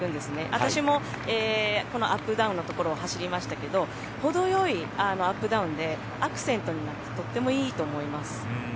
私もこのアップダウンのところ走りましたけど程よいアップダウンでアクセントになってとってもいいと思います。